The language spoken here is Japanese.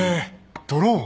ドローン？